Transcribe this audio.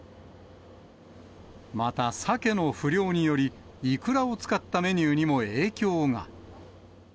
また、サケの不漁により、いくらを使ったメニューにも影響が。